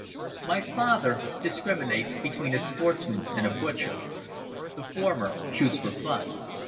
My father discriminates between a sportsman and a butcher. The former shoots for fun.